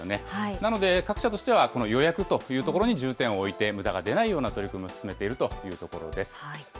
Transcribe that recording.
なので、各社としては、この予約というところに重点を置いて、むだが出ないような取り組みを進めているというところです。